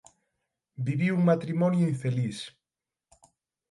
Viviu un matrimonio infeliz.